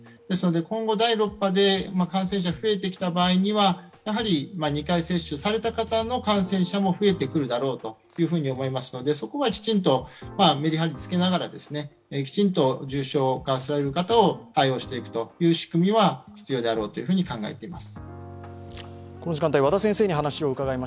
今後、第６波で感染者が増えてきた場合には２回接種された方の感染者も増えてくるだろうと思われますのでそこはきちんと、めりはりつけながら重症化される方を対応していくという仕組みは必要であろうと考えています。